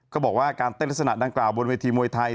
ก็บอกว่าการเต้นลักษณะดังกล่าบนเวทีมวยไทย